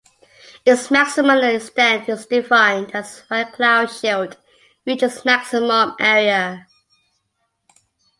Its maximum extent is defined as when cloud shield reaches maximum area.